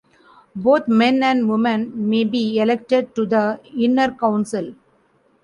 Both men and women may be elected to the inner council.